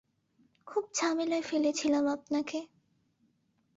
খুব ঝামেলায় ফেলেছিলাম আপনাকে।